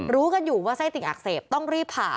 รู้กันอยู่ว่าไส้ติ่งอักเสบต้องรีบผ่า